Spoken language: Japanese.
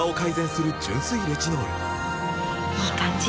いい感じ！